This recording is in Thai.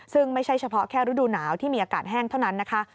ซึ่งไม่ใช่เฉพาะแค่ฤดูหนาวที่มีอากาศแห้งเท่านั้นนะคะ